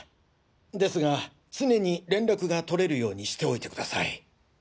ですが常に連絡がとれるようにしておいてください。